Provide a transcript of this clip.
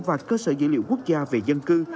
và cơ sở dữ liệu quốc gia về dân cư